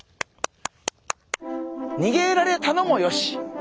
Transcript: にげられたのもよし。